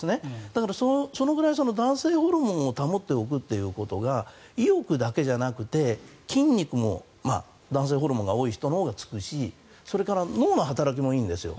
だからそのぐらい男性ホルモンを保っておくということが意欲だけじゃなくて筋肉も男性ホルモンが多い人のほうがつくしそれから脳の働きもいいんですよ。